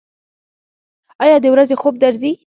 ایا د ورځې خوب درځي؟